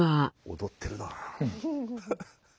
踊ってるな。